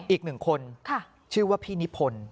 อีก๑คนชื่อว่าพี่นิภน